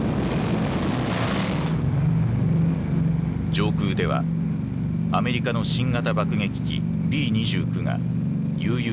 上空ではアメリカの新型爆撃機Ｂー２９が悠々と飛行していた。